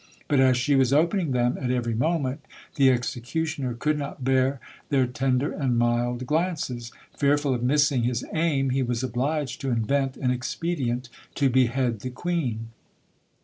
But as she was opening them at every moment, the executioner could not bear their tender and mild glances; fearful of missing his aim, he was obliged to invent an expedient to behead the queen.